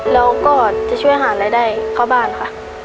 แล้วก็จะช่วยหารายได้เข้าบ้านค่ะ